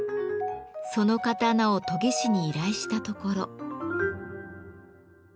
その刀を研ぎ師に依頼したところ。